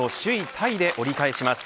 タイで折り返します。